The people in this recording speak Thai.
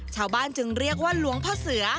ชาวบ้านจึงเรียกว่าหลวงพ่อเสือ